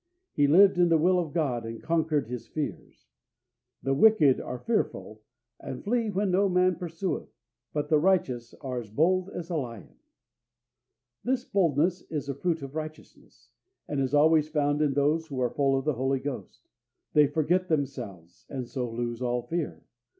He lived in the will of God, and conquered his fears. "The wicked" are fearful, and "flee when no man pursueth; but the righteous are as bold as a lion." This boldness is a fruit of righteousness, and is always found in those who are full of the Holy Ghost. They forget themselves, and so lose all fear.